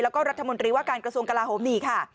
แล้วก็รัฐมนตรีว่าการกระทรวงกลาโหมนี่ค่ะ